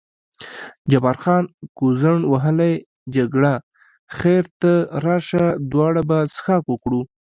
جبار خان: ګوزڼ وهلې جګړه، خیر ته راشه دواړه به څښاک وکړو.